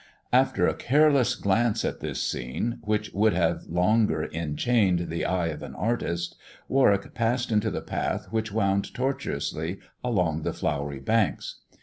After a careless glance at this scene, which would have longer enchained the eye of an artist, Warwick passed into the path which wound tortuously along the flowery banks.